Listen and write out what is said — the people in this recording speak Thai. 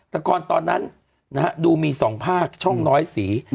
ละครตอนนั้นดูมี๒ภาคช่องน้อยสี